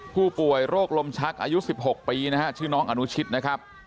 ผู้ป่วยโรคลมชักอายุ๑๖ปีนะฮะชื่อน้องอนุชิตนะครับ